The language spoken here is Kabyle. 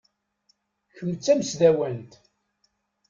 Kemm d tamesdawant.